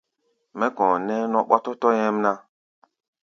Mɛ́ kɔ̧ɔ̧ nɛ́ɛ́ nɔ ɓɔ́tɔ́tɔ́ nyɛ́mná.